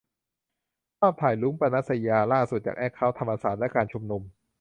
ภาพถ่าย 'รุ้ง-ปนัสยา' ล่าสุดจากแอคเคาท์ธรรมศาสตร์และการชุมนุม